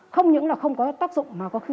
không những là không có tác dụng mà có khi